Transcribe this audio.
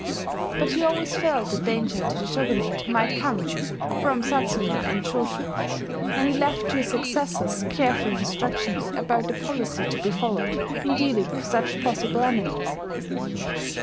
But he always felt that danger to the Shogunate might come from Satsuma and Choshu; and he left to his successors careful instructions about the policy to be followed in dealing with such possible enemies.